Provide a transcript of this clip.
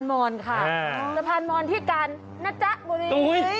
สะพานมอนค่ะสะพานมอนที่การณ์จนบุรี